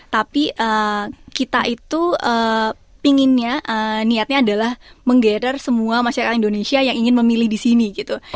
tapi kita itu pinginnya niatnya adalah menggether semua masyarakat indonesia yang ingin memilih di sini gitu